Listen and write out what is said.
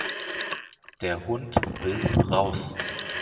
Der Hund will raus.